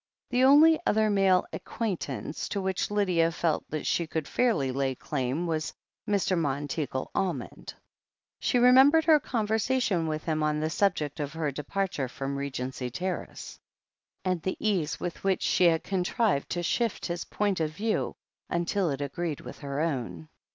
The only other male acquaintance to which Lydia felt that she could fairly lay claim was Mr. Monteagle Almond. She remembered her coqj^^sation with him on the subject of her departure frcjjmllegency Terrace, THE HEEL OF ACHILLES loi and the ease with which she had contrived to shift his point of view until it agreed with her own.